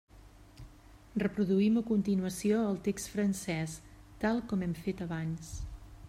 Reproduïm a continuació el text francès, tal com hem fet abans.